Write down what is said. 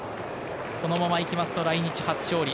このまま行きますと、来日初勝利。